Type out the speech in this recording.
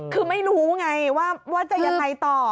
คือไม่รู้ไงว่าจะยังไงต่อ